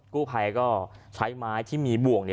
กู้ภัยก็ใช้ไม้ที่มีบ่วง